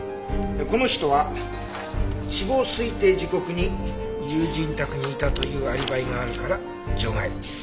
この人は死亡推定時刻に友人宅にいたというアリバイがあるから除外。